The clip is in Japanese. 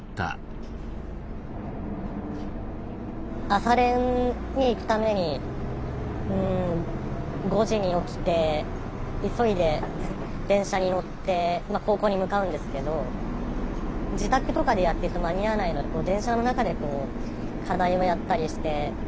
朝練に行くために５時に起きて急いで電車に乗ってまあ高校に向かうんですけど自宅とかでやってると間に合わないので電車の中で課題をやったりして。